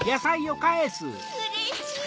うれしい！